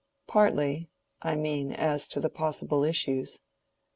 "Partly—I mean, as to the possible issues."